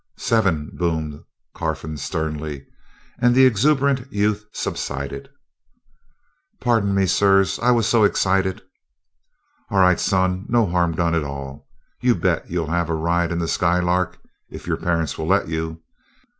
"Seven!" boomed Carfon sternly, and the exuberant youth subsided. "Pardon me, sirs, but I was so excited " "All right, son, no harm done at all. You bet you'll have a ride in the Skylark if your parents will let you."